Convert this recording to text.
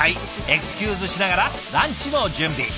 エクスキューズしながらランチの準備。